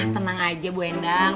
tenang aja bu hersing